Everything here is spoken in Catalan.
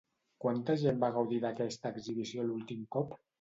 Quanta gent va gaudir d'aquesta exhibició l'últim cop?